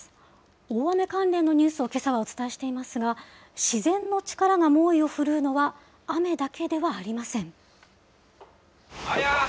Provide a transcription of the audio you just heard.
大雨関連のニュースをけさはお伝えしていますが、自然の力が猛威を振るうのは、雨だけではありません。